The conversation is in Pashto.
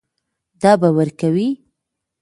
دا به ورکوې.